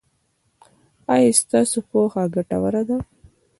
ایا ستاسو پوهه ګټوره ده؟